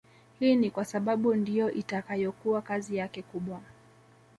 Hii ni kwa sababu ndiyo itakayokuwa kazi yake kubwa